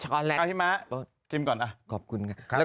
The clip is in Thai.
คุณมาชิมก่อนนะ